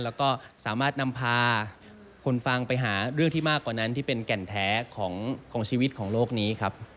แล้วก็สามารถนำพาคนฟังไปหาเรื่องที่มากกว่านั้นที่เป็นแก่นแท้ของชีวิตของโลกนี้ครับ